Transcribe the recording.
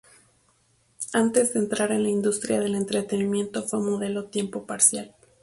Antes de entrar en la industria del entretenimiento fue modelo tiempo parcial.